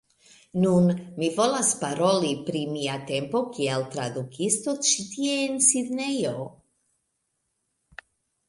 Nun, mi volas paroli pri mia tempo kiel tradukisto ĉi tie en Sidnejo.